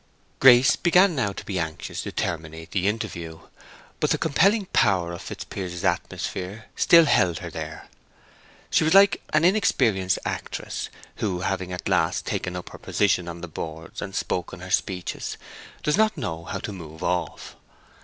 Grace began now to be anxious to terminate the interview, but the compelling power of Fitzpiers's atmosphere still held her there. She was like an inexperienced actress who, having at last taken up her position on the boards, and spoken her speeches, does not know how to move off.